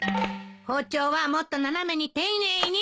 包丁はもっと斜めに丁寧に。